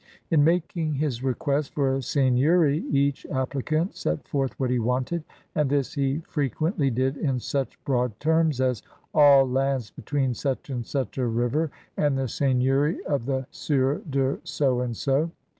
In making his request for a seigneury each applicant set forth what he wanted, and this he frequently did in such broad terms as, "all lands between such and such a river and the seigneury of the Sieur de So and So.''